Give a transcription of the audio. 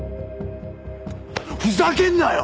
ふざけんなよ！